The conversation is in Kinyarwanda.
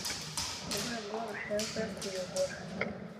urwego rushinzwe kuyobora